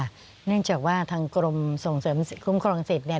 เนื่องจากว่าทางกรมส่งเสริมคุ้มครองสิทธิ์